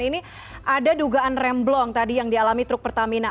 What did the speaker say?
ini ada dugaan remblong tadi yang dialami truk pertamina